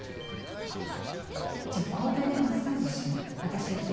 じゃあ交代でマッサージしよ私やって。